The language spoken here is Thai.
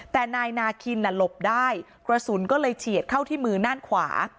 แต่นายนาคินหลบได้กระสุนก็เลยเฉียดเข้าที่มือด้านขวา